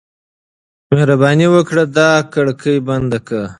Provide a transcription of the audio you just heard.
مهرباني وکړه دا کړکۍ بنده کړه.